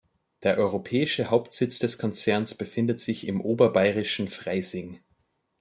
Der europäische Hauptsitz des Konzerns befindet sich im oberbayerischen Freising.